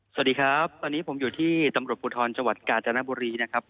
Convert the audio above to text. สวัสดีครับตอนนี้ผมอยู่ที่ตำรวจภูทรจังหวัดกาญจนบุรีนะครับ